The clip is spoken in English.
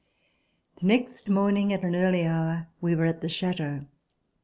The next morning at an early hour we were at the Chateau.